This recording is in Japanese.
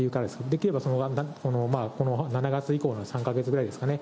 できればこの７月以降の３か月くらいですかね。